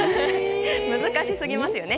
難しすぎますよね。